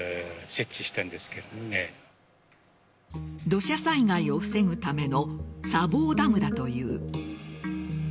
土砂災害を防ぐための砂防ダムだという。